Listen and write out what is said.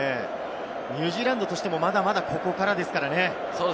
ニュージーランドとしてもまだまだここからですからね。